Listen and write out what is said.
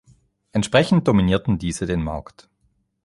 Entsprechend dominierten diese den Markt.